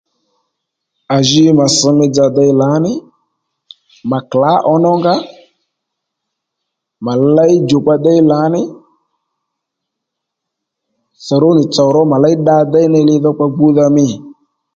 À ji ma sš mí dza déy lǎní ma klǎ ǒnó nga ma léy djùkpa déy lǎní sòrónì tsò ró mà ley dda déy ney li-dhokpa gbúdha mî